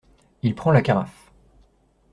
Il prend la carafe.